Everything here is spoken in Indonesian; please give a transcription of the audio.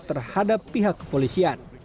terhadap pihak kepolisian